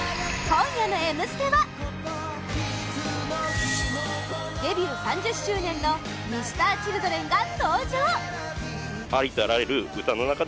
今夜のＭステはデビュー３０周年のＭｒ．Ｃｈｉｌｄｒｅｎが登場